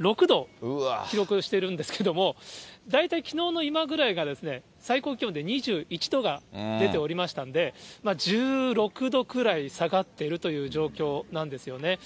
４．６度を記録してるんですけれども、大体きのうの今ぐらいがですね、最高気温で２１度が出ておりましたので、１６度くらい下がっているという状況なんですよね。